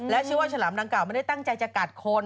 เชื่อว่าฉลามดังกล่าไม่ได้ตั้งใจจะกัดคน